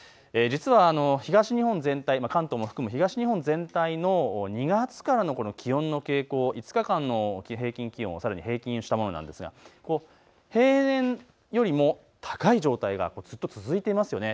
実は東日本全体、関東も含む東日本全体の２月からの気温の傾向５日間の平均気温をさらに平均したものなんですが平年よりも高い状態がずっと続いています。